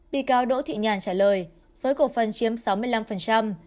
bị cáo đỗ thị nhàn trả lời với cổ phần chiếm sáu mươi năm